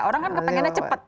orang kan kepengennya cepat